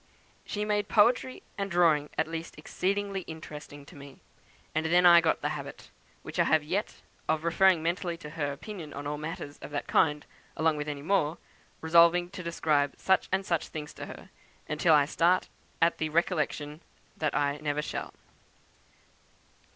She made poetry and drawing at least exceedingly interesting to me; and then I got the habit, which I have yet, of referring mentally to her opinion on all matters of that kind, along with many more, resolving to describe such and such things to her, until I start at the recollection that I never shall."